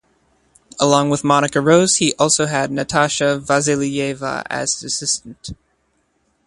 Along with Monica Rose, he also had Natasha Vasylyeva as assistant.